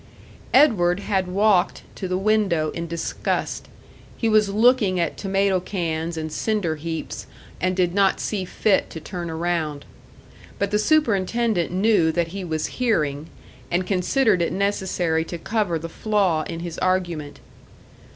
Edward had walked to the window in disgust; he was looking at tomato cans and cinder heaps, and did not see fit to turn around. But the superintendent knew that he was hearing, and considered it necessary to cover the flaw in his argument.